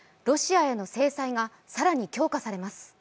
ロシアへの制裁が更に強化されます。